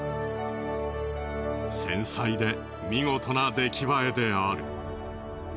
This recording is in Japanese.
繊細で見事な出来栄えである。